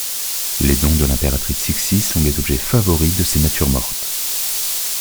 Les dons de l'impératrice Cixi sont les objets favoris de ses natures mortes.